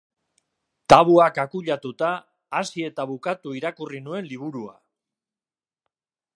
Tabuak akuilatuta, hasi eta bukatu irakurri nuen liburua.